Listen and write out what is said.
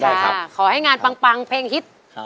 ค่ะขอให้งานปังเพลงฮิต